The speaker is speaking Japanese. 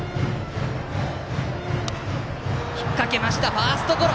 ファーストゴロ。